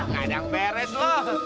kadang beres lo